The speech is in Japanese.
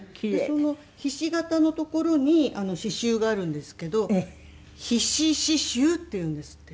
そのひし形のところに刺繍があるんですけどひし刺繍っていうんですって。